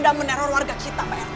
dan meneror warga kita pak rt